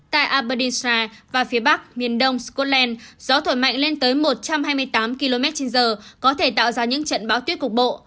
tại aberdisha và phía bắc miền đông scotland gió thổi mạnh lên tới một trăm hai mươi tám km trên giờ có thể tạo ra những trận bão tuyết cục bộ